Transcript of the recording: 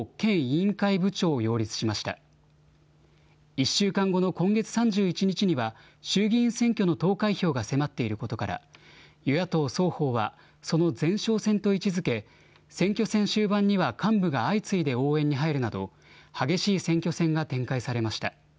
１週間後の今月３１日には、衆議院選挙の投開票が迫っていることから、与野党双方は、その前哨戦と位置づけ、選挙戦終盤には幹部が相次いで応援に入るなど、激しい選挙戦が展開されました。